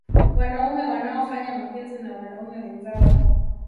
Wanaume wanaofanya mapenzi na wanaume wenzao